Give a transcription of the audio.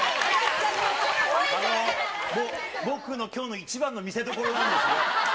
僕のきょうの一番の見せどころなんですよ。